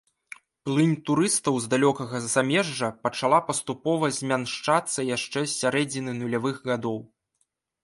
Плынь турыстаў з далёкага замежжа пачала паступова змяншацца яшчэ з сярэдзіны нулявых гадоў.